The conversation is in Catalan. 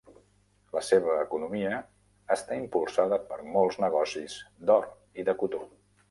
La seva economia està impulsada per molts negocis d'or i de cotó.